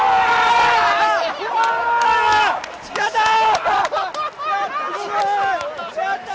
やったー！